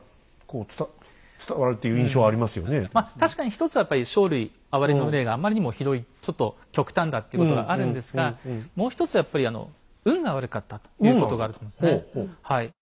まあ確かに一つはやっぱり生類憐みの令があんまりにもひどいちょっと極端だっていうことがあるんですがもう一つやっぱり運が悪かったということがあると思うんですね。